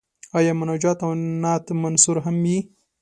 آیا مناجات او نعت منثور هم وي.